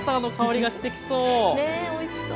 おいしそう。